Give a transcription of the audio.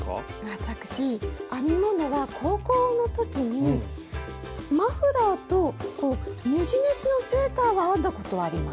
私編み物は高校の時にマフラーとこうねじねじのセーターは編んだことはあります。